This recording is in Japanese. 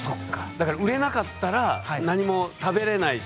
だから売れなかったら何も食べれないし。